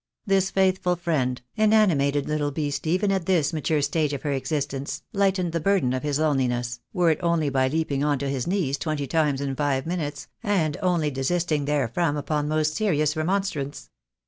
This faithful friend, an animated little beast even at this mature stage of her existence, lightened the burden of his loneliness, were it only by leaping on to his knees twenty times in five minutes, and only desisting therefrom upon most serious remonstrance.